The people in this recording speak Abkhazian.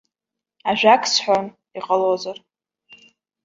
Ажәак сҳәон, иҟалозар?